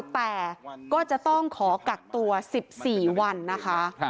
แต่ก็จะต้องขอกักตัว๑๔วันนะคะ